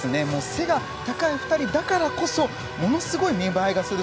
背が高い２人だからこそものすごい見栄えがする。